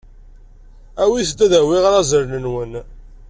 Awit-d ad awiɣ irazalen-nwen.